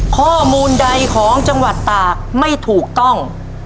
ข้อมูลใดของจังหวัดตากไม่ถูกต้อง